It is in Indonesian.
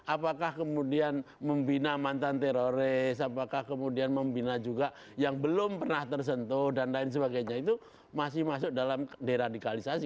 apakah kemudian membina mantan teroris apakah kemudian membina juga yang belum pernah tersentuh dan lain sebagainya itu masih masuk dalam deradikalisasi